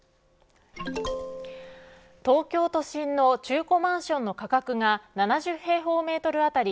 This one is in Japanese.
東京都心の中古マンションの価格が７０平方メートルあたり